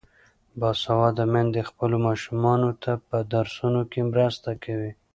باسواده میندې خپلو ماشومانو ته په درسونو کې مرسته کوي.